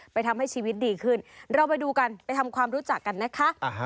ทำให้ชีวิตดีขึ้นเราไปดูกันไปทำความรู้จักกันนะคะ